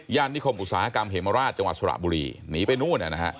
นิคมอุตสาหกรรมเหมราชจังหวัดสระบุรีหนีไปนู่น